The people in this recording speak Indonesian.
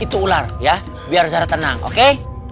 itu ular ya biar secara tenang oke